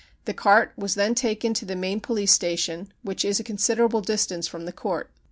The cart was then taken to the main police station, which is a considerable distance from the court.